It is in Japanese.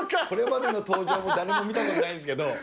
これまでの登場も誰も見たことないですけど。